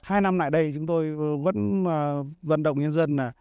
hai năm lại đây chúng tôi vẫn vận động nhân dân